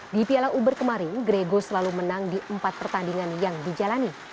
di piala uber kemarin grego selalu menang di empat pertandingan yang dijalani